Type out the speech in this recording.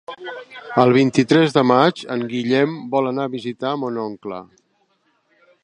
El vint-i-tres de maig en Guillem vol anar a visitar mon oncle.